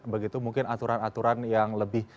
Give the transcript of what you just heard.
begitu mungkin aturan aturan yang lebih